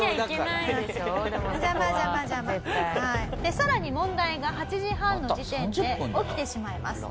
さらに問題が８時半の時点で起きてしまいます。